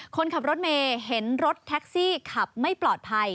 คนขับรถเมย์เห็นรถแท็กซี่ขับไม่ปลอดภัย